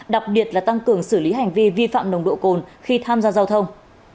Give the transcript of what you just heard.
đặc biệt là tăng cường xử lý hành vi vi phạm nồng độ cồn khi tham gia giao thông